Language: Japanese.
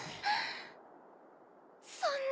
そんな。